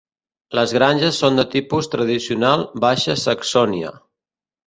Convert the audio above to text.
Les granges són de tipus tradicional Baixa Saxònia.